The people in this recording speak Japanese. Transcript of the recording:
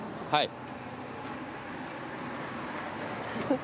はい。